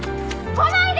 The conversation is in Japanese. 来ないで！